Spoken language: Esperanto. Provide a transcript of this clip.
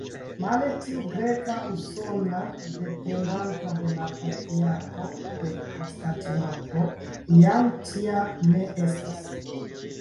Male, tiu greka usona, dependanta de la Patriarko de Konstantinopolo jam tia ne estas.